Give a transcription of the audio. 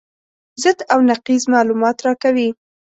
ضد او نقیض معلومات راکوي.